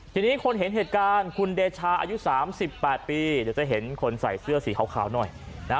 ทีนี้คนเห็นเหตุการณ์คุณเดชาอายุ๓๘ปีเดี๋ยวจะเห็นคนใส่เสื้อสีขาวหน่อยนะ